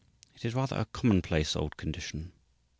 It is rather a commonplace old condition.